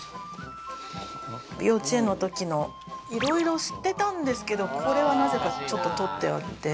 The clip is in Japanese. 幼稚園の時のいろいろ捨てたんですけど、これはなぜかとってあって。